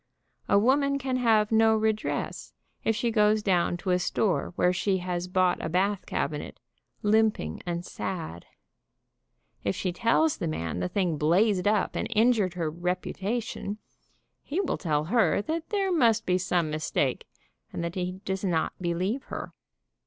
A woman can have no redress, if she goes down to a store where she has bought a bath cabinet, limping and sad. If she tells the man the thing blazed up and injured her reputation, he will tell her that there must be some mistake, and that he does not believe her.